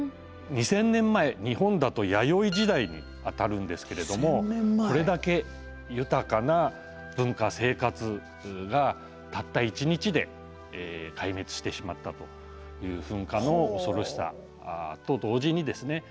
２，０００年前日本だと弥生時代にあたるんですけれどもこれだけ豊かな文化・生活がたった一日で壊滅してしまったという噴火の恐ろしさと同時にですね